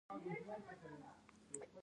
د ستوني د نیول کیدو لپاره ګرم چای وڅښئ